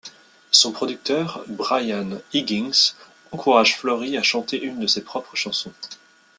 Son producteur, Brian Higgins, encourage Florrie à chanter une de ses propres chansons.